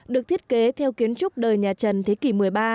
được thiết kế theo kiến trúc đời nhà trần thế kỷ một mươi ba